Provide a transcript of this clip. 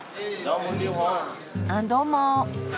あっどうも。